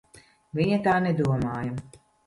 Viņa tā nedomāja.